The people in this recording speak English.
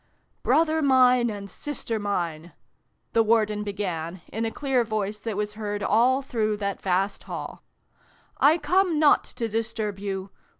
" Brother mine, and Sister mine !" the War den began, in a clear voice that was heard all through that vast hall. " I come not to disturb you.